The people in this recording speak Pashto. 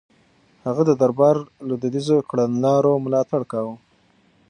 هغه د دربار له دوديزو کړنلارو ملاتړ کاوه.